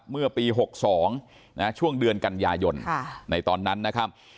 เมื่อปี๖๒ช่วงเดือนกันยายนในตอนนั้นนะครับ